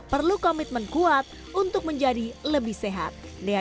perlu komitmen kuat untuk menjadi lebih sehat